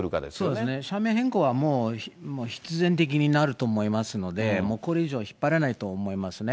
そうですね、社名変更はもう必然的になると思いますので、これ以上引っ張れないと思いますね。